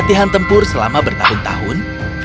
latihan tempur selama bertahun tahun